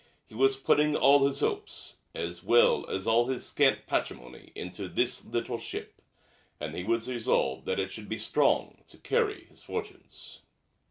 He was putting all his hopes as well as all his scant patrimony into this little ship; and he was resolved that it should be strong to carry his fortunes.